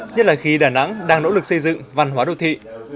nhất là khi đà nẵng đang nỗ lực xây dựng văn hóa đô thị